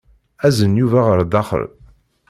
Azen Yuba ɣer daxel.